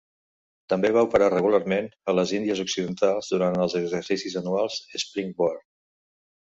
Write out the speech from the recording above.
També va operar regularment a les Índies Occidentals durant els exercicis anuals "Springboard".